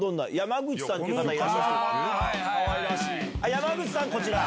山口さんこちら？